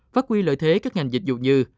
phát huy lợi thế các ngành dịch vụ như